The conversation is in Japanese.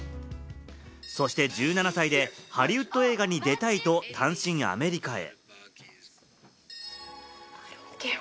そして１７歳でハリウッド映画に出たいと、単身アメリカへ。